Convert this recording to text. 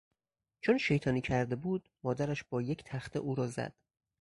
چون شیطانی کرده بود مادرش با یک تخته او را زد.